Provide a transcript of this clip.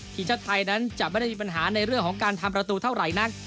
ทีมชาติไทยนั้นจะไม่ได้มีปัญหาในเรื่องของการทำประตูเท่าไหร่นัก